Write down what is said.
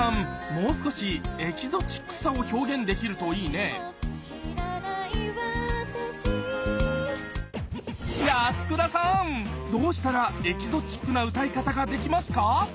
もう少しエキゾチックさを表現できるといいね安倉さんどうしたらエキゾチックな歌い方ができますか？